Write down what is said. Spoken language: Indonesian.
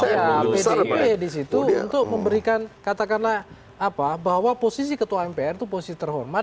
ya bdib di situ untuk memberikan katakanlah apa bahwa posisi ketua mpr itu posisi terhormat